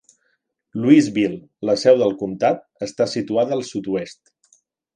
Louisville, la seu del comtat, està situada al sud-oest.